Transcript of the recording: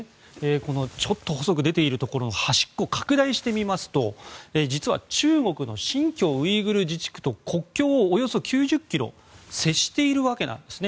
このちょっと細く出ているところの端っこ拡大してみますと実は中国の新疆ウイグル自治区と国境をおよそ９０ｋｍ接しているわけなんですね。